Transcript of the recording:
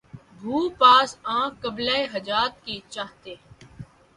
بھَوں پاس آنکھ قبلۂِ حاجات چاہیے